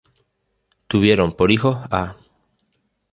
Tuvieron por hijos a